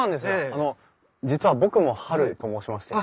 あの実は僕もハルと申しまして。